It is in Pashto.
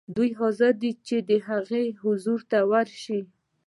دی حاضر دی چې د هغه حضور ته ورسي.